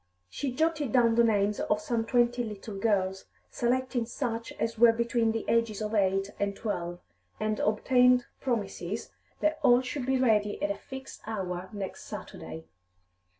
She jotted down the names of some twenty little girls, selecting such as were between the ages of eight and twelve, and obtained promises that all should be ready at a fixed hour next Saturday.